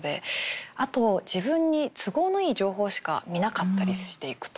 あと自分に都合のいい情報しか見なかったりしていくという。